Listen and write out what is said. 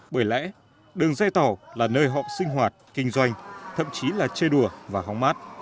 bởi lẽ đường dây tàu là nơi họ sinh hoạt kinh doanh thậm chí là chơi đùa và hóng mát